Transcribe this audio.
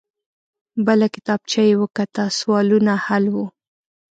بله کتابچه يې وکته. سوالونه حل وو.